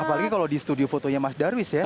apalagi kalau di studio fotonya mas darwis ya